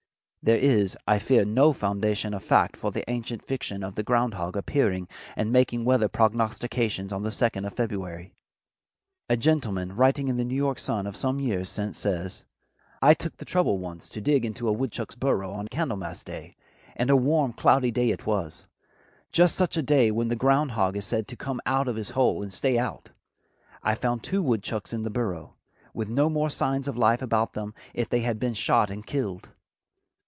There is, I fear, no foundation of fact for the ancient fiction of the ground hog appearing and making weather prognostications on the second of February. A gentleman writing in the New York Sun of some years since says: "I took the trouble once to dig into a woodchuck's burrow on Candlemas day, and a warm, cloudy day it was; just such a day when the ground hog is said to come out of his hole and stay out. I found two woodchucks in the burrow, with no more signs of life about them than if they had been shot and killed.